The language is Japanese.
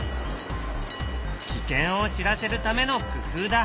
危険を知らせるための工夫だ。